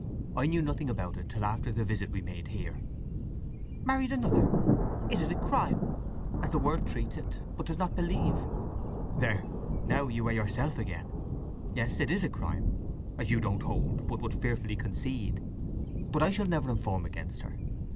I knew nothing about it till after the visit we made here." "Married another? … It is a crime—as the world treats it, but does not believe." "There—now you are yourself again. Yes, it is a crime—as you don't hold, but would fearfully concede. But I shall never inform against her!